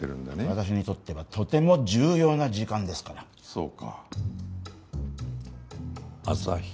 私にとってはとても重要な時間ですからそうかアサヒ？